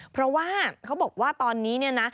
เพราะว่าเขาบอกว่าตอนนี้เนี่ยนะ